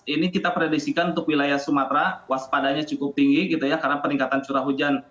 ini kita predisikan untuk wilayah sumatera waspadanya cukup tinggi gitu ya karena peningkatan curah hujan